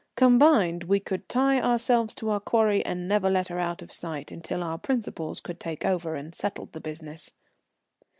Combined we could tie ourselves to our quarry, and never let her out of sight until our principals could take over and settle the business.